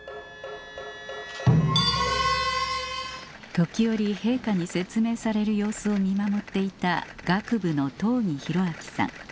時折陛下に説明される様子を見守っていた楽部の東儀博昭さん